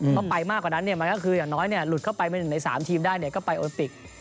เพราะไปมากกว่านั้นเนี่ยมันก็คืออย่างน้อยเนี่ยหลุดเข้าไปใน๓ทีมได้เนี่ยก็ไปโอปิก